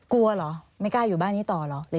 กลัวเหรอไม่กล้าอยู่บ้านนี้ต่อเหรอ